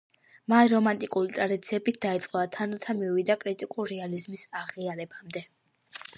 მან რომანტიკული ტრადიციებით დაიწყო და თანდათან მივიდა კრიტიკული რეალიზმის აღიარებამდე.